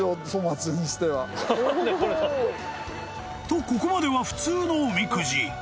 ［とここまでは普通のおみくじ］